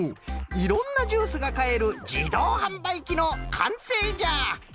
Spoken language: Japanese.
いろんなジュースがかえるじどうはんばいきのかんせいじゃ！